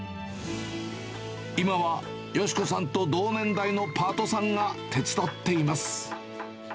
今は、美子さんと同年代のパートさんが手伝っています。